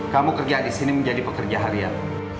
kamu kerja di sini menjadi pekerja harian